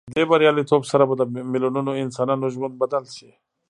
دې بریالیتوب سره به د میلیونونو انسانانو ژوند بدل شي.